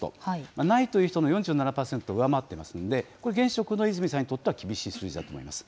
ないという人の４７％を上回ってますので、これ、現職の飯泉さんにとっては厳しい数字だと思います。